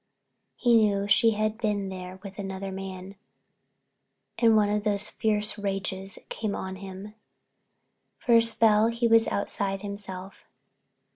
Then he knew she had been there with another man and one of those fierce rages came on him. For a spell he was outside himself.